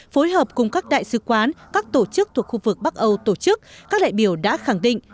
phối hợp cùng các đại sứ quán các tổ chức thuộc khu vực bắc âu tổ chức các đại biểu đã khẳng định